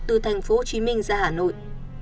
từ tp hcm ra hà nội